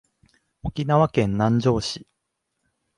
沖縄県南城市